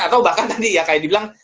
atau bahkan tadi ya kayak dibilang